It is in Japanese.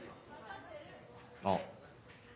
あっ。